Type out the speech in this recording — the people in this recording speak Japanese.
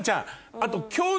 あと。